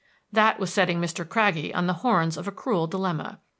That was setting Mr. Craggie on the horns of a cruel dilemma.